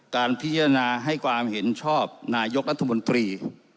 การพิจารณาให้ความเห็นชอบนายกรัฐมนตรี